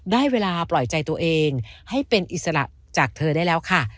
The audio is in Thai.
ได้เวลาปล่อยใจตัวเองให้เป็นอิสระจากเธอได้แล้วค่ะ